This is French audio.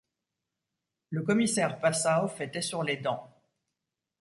Le commissaire Passauf était sur les dents.